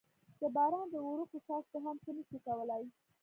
د باران دې وړوکو څاڅکو هم څه نه شوای کولای.